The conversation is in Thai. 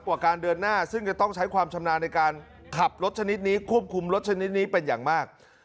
การเดินหน้าซึ่งจะต้องใช้ความชำนาญในการขับรถชนิดนี้ควบคุมรถชนิดนี้เป็นอย่างมาก